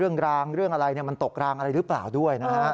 รางเรื่องอะไรมันตกรางอะไรหรือเปล่าด้วยนะฮะ